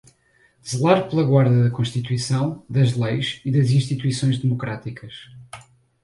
zelar pela guarda da Constituição, das leis e das instituições democráticas